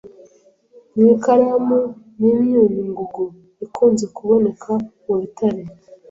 mwikaramu nimyunyu ngugu ikunze kuboneka mu bitare